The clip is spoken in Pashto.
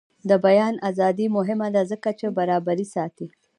د بیان ازادي مهمه ده ځکه چې برابري ساتي.